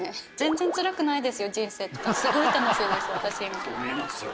すごい楽しいですよ